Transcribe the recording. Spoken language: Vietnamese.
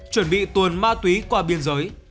chuẩn bị tuần ma túy qua biên giới